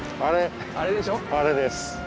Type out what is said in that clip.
あれです。